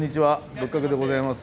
六角でございます。